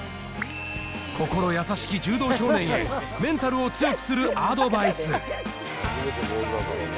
心優しき柔道少年へ、メンタルを強くするアドバイス。